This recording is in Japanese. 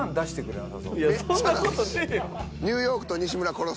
ニューヨークと西村殺す。